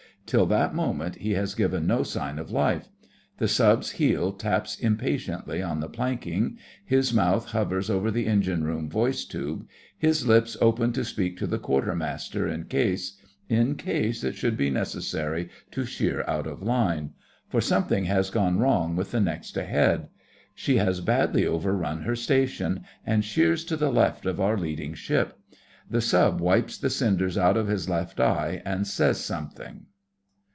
Till that moment he has given no sign of life. The Sub's heel taps impatiently on the planking; his mouth hovers over the engine room voice tube; his lips open to speak to the Quartermaster in case—in case it should be necessary to sheer out of line; for something has gone wrong with the next ahead. She has badly overrun her station, and sheers to the left of our leading ship. The Sub wipes the cinders out of his left eye and says something.